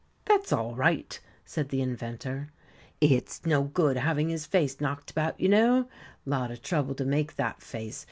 "That's all right," said the Inventor. "It's no good having his face knocked about, you know lot of trouble to make that face.